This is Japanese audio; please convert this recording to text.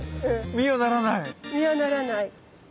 実はならない。